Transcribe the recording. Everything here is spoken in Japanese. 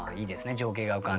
情景が浮かんで。